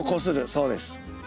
そうです。